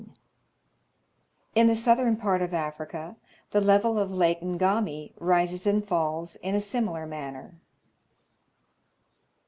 In the southern part of Africa the level of Lake Ngami rises and falls in a similar manner.